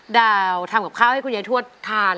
ดาวทำกับข้าวให้คุณแน๊ยังทั่วทาน